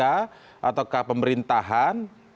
atau ke pemerintahan